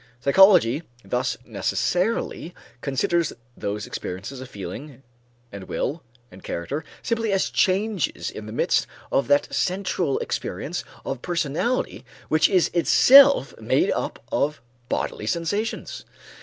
Psychology thus necessarily considers those experiences of feeling and will and character simply as changes in the midst of that central experience of personality which is itself made up of bodily sensations.